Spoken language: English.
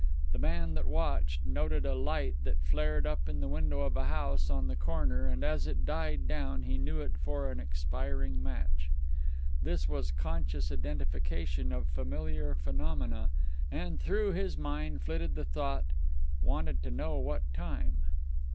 The man that watched, noted a light that flared up in the window of a house on the corner, and as it died down he knew it for an expiring match. This was conscious identification of familiar phenomena, and through his mind flitted the thought, "Wanted to know what time."